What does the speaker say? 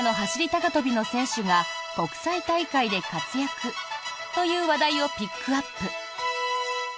高跳びの選手が国際大会で活躍という話題をピックアップ。